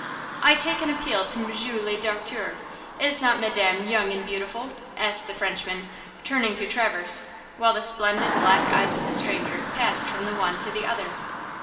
"I take an appeal to Monsieur Le Docteur–is not madame young and beautiful?" asked the Frenchman, turning to Traverse, while the splendid, black eyes of the stranger passed from the one to the other.